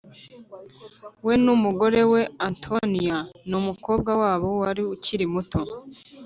We n umugore we Antonia n umukobwa wabo wari ukiri muto